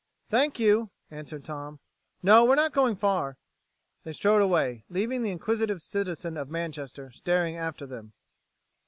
"Thank you," answered Tom. "No, we're not going far." They strode away, leaving the inquisitive citizen of Manchester staring after them.